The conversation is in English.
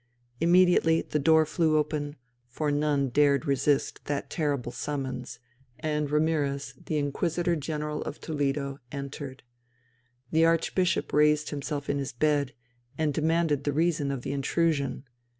Immediately the door flew open, for none dared resist that terrible summons, and Ramirez, the Inquisitor General of Toledo, entered. The Archbishop raised himself in his bed, and demanded the reason of the intrusion.